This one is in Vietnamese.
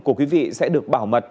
của quý vị sẽ được bảo mật